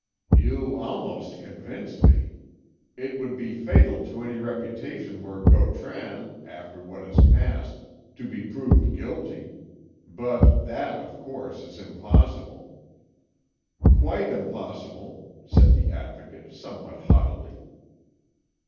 "You almost convince me. It would be fatal to any reputation were Gautran, after what has passed, to be proved guilty. But that, of course, is impossible." "Quite impossible," said the Advocate somewhat haughtily.